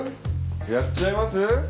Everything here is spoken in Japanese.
やっちゃいます？